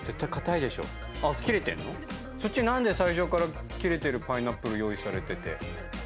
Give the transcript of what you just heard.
そっち何で最初から切れてるパイナップル用意されてて。